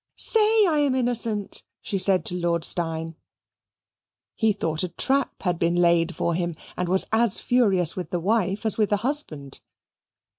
Say I am innocent," she said to Lord Steyne. He thought a trap had been laid for him, and was as furious with the wife as with the husband.